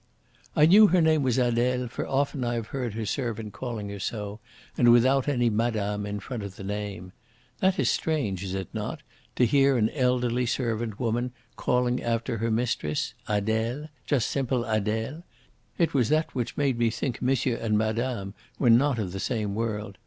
"I knew her name was Adele, for often I have heard her servant calling her so, and without any 'Madame' in front of the name. That is strange, is it not, to hear an elderly servant woman calling after her mistress, 'Adele,' just simple 'Adele'? It was that which made me think monsieur and madame were not of the same world.